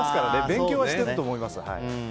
勉強はしてると思います。